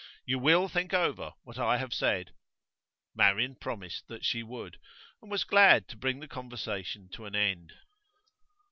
You will think over what I have said?' Marian promised that she would, and was glad to bring the conversation to an end.